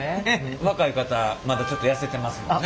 若い方まだちょっと痩せてますもんね。